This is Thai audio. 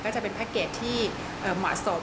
ก็จะเป็นแพ็คเกจที่เหมาะสม